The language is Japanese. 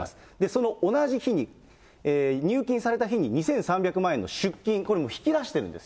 その同じ日に、入金された日に、２３００万円の出金、その日にね。